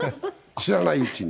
知らないうちに。